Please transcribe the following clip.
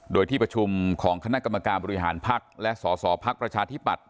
โดยที่ประชุมของคณะกรรมการบริหารภักดิ์และสสพักประชาธิปัตย